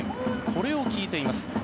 これを聞いています。